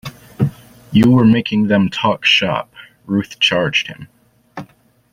You were making them talk shop, Ruth charged him.